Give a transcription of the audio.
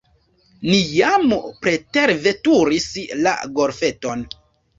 Ni jam preterveturis la golfeton.